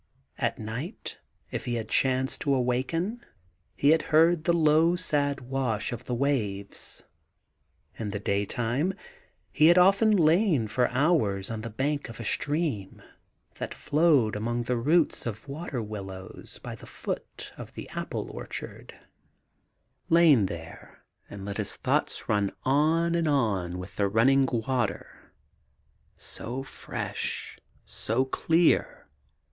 At night, if he had chanced to awaken, he had XO THE GARDEN GOD heard the low sad wash of the waves ; in the daytime he had often lain for hours on the bank of a stream that flowed among the roots of water willows by the foot of the apple orchard, — lain there and let his thoughts run on and on with the running water, so fresh 1 so clear!